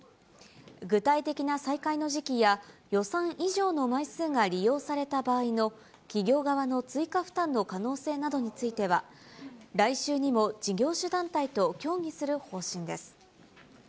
具体的な再開の時期や予算以上の枚数が利用された場合の企業側の追加負担の可能性などについては、来週にも事業主団体と協議する方針です。